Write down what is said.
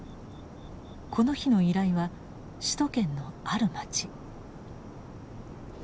この日の依頼は首都圏のある街。